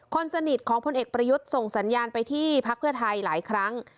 คนสนิทของพลเอกประยุทธ์ส่งสัญญาณไปที่พักเพื่อไทยหลายครั้ง